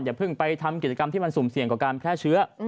อย่าเพิ่งไปทำกิจกรรมที่มันสุ่มเสี่ยงต่อการแพร่เชื้อ